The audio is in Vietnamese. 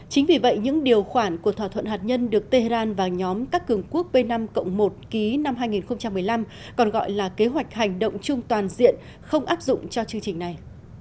chính vì vậy những điều khoản của thỏa thuận hạt nhân được tehran và nhóm các cường quốc p năm một ký năm hai nghìn một mươi năm còn gọi là kế hoạch hành động chung toàn diện không áp dụng cho chương trình này